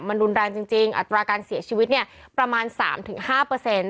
มันรุนแรงจริงอัตราการเสียชีวิตเนี่ยประมาณ๓๕เปอร์เซ็นต์